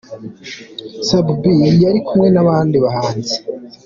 Sat B yari kumwe n'abandi bahanzi.